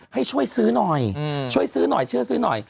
ให้ช่วยซื้อหน่อยช่วยซื้อหน่อยช่วยซื้อหน่อย